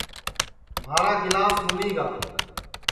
مھارا گِلاس گُمی گا